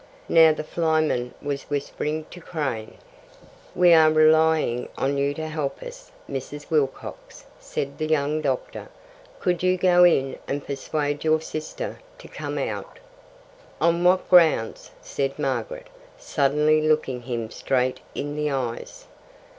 Now the flyman was whispering to Crane. "We are relying on you to help us, Mrs. Wilcox," said the young doctor. "Could you go in and persuade your sister to come out?" "On what grounds?" said Margaret, suddenly looking him straight in the eyes.